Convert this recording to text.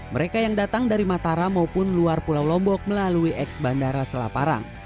mereka yang datang dari mataram maupun luar pulau lombok melalui ex bandara selaparang